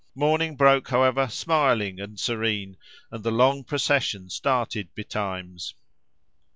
Morning broke, however, smiling and serene; and the long procession started betimes.